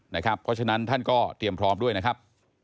เพราะฉะนั้นท่านก็เตรียมพร้อมด้วยนะครับ